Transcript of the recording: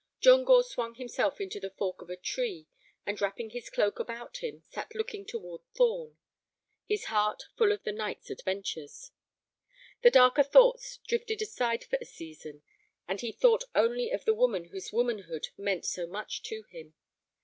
John Gore swung himself into the fork of a tree, and, wrapping his cloak about him, sat looking toward Thorn, his heart full of the night's adventures. The darker thoughts drifted aside for a season, and he thought only of the woman whose womanhood meant so much to him.